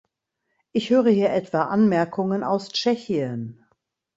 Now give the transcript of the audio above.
Ich höre hier etwa Anmerkungen aus Tschechien.